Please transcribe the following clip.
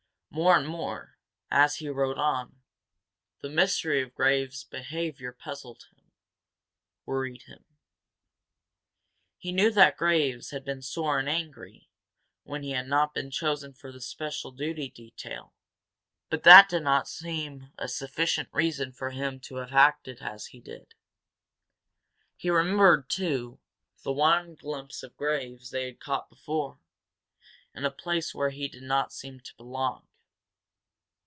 More and more, as he rode on, the mystery of Graves' behavior puzzled him, worried him. He knew that Graves had been sore and angry when he had not been chosen for the special duty detail. But that did not seem a sufficient reason for him to have acted as he had. He remembered, too, the one glimpse of Graves they had caught before, in a place where he did not seem to belong.